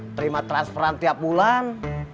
terima transferan tiap bulan